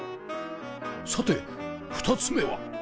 さて２つ目は？